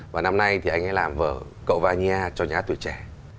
và năm nay thì anh ấy làm vở cậu vanya cho nhá tuổi trẻ